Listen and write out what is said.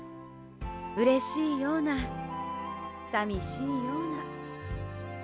うれしいようなさみしいような。